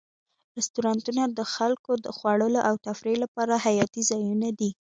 رستورانتونه د خلکو د خوړلو او تفریح لپاره حیاتي ځایونه دي.